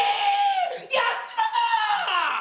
やっちまったな！！